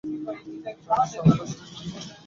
ত্রাণ, অর্থ সাহায্য এসব সাময়িক।